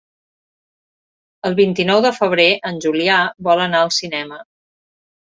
El vint-i-nou de febrer en Julià vol anar al cinema.